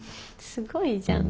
すごいじゃん。